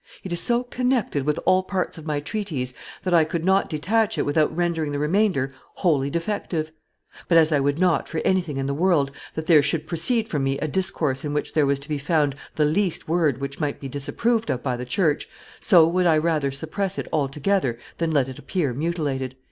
It is so connected with all parts of my treatise that I could not detach it without rendering the remainder wholly defective. But as I would not, for anything in the world, that there should proceed from me a discourse in which there was to be found the least word which might be disapproved of by the church, so would I rather suppress it altogether than let it appear mutilated."